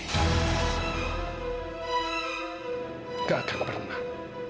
tidak akan pernah